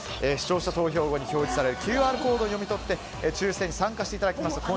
視聴者投票後に表示されるＱＲコードを読み取って抽選に参加いただけます。